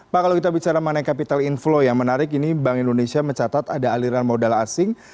pak kalau kita bicara mengenai capital inflow yang menarik ini bank indonesia mencatat ada aliran modal asing